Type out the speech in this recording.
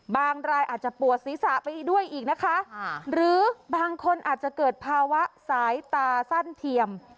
รายอาจจะปวดศีรษะไปด้วยอีกนะคะหรือบางคนอาจจะเกิดภาวะสายตาสั้นเทียม